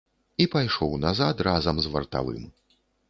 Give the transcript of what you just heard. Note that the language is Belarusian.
І пайшоў назад разам з вартавым.